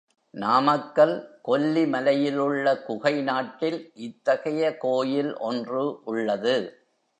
நாமக்கல் கொல்லி மலையிலுள்ள குகை நாட்டில் இத்தகைய கோயில் ஒன்று உள்ளது.